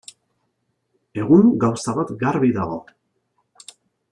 Egun, gauza bat garbi dago.